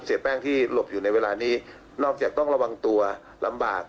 เสียแป้งที่หลบอยู่ในเวลานี้นอกจากต้องระวังตัวลำบาก